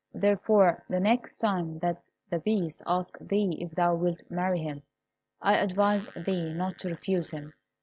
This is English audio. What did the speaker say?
Therefore, the next time that the Beast asks thee if thou wilt marry him, I advise thee not to refuse him.